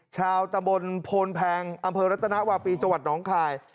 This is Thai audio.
ชาวตำบลโพนแพงอำเภอรัตนวาปีจังหวัดน้องคาย